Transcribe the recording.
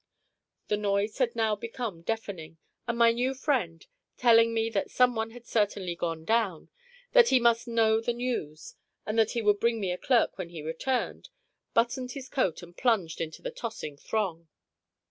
The noise had now become deafening; and my new friend, telling me that some one had certainly "gone down," that he must know the news, and that he would bring me a clerk when he returned, buttoned his coat and plunged into the tossing throng.